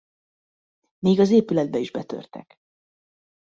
Még az épületbe is betörtek.